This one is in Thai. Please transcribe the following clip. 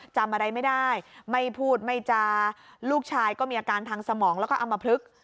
จำอะไรไม่ได้ไม่พูดไม่จาลูกชายก็มีอาการทางสมองแล้วก็อำมพลึก